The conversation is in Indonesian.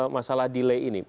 masalah delay ini